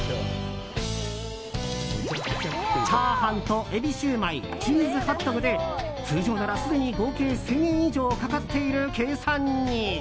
チャーハンとエビシューマイチーズハットグで通常ならすでに合計１０００円以上かかっている計算に。